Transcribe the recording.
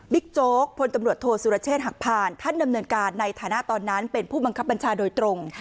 โจ๊กพลตำรวจโทษสุรเชษฐ์หักผ่านท่านดำเนินการในฐานะตอนนั้นเป็นผู้บังคับบัญชาโดยตรง